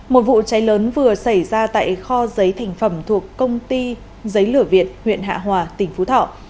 một vụ cháy lớn vừa xảy ra tại kho giấy thành phẩm thuộc công ty giấy lửa việt huyện hạ hòa tỉnh phú thọ